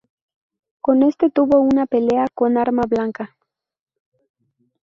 Con este tuvo una pelea con arma blanca.